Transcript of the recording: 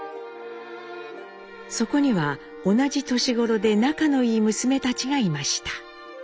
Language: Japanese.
そこには同じ年頃で仲のいい娘たちがいました。